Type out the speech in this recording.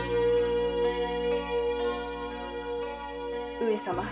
上様